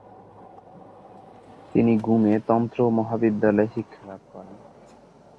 তিনি গ্যুমে তন্ত্র মহাবিদ্যালয়ে শিক্ষালাভ করেন।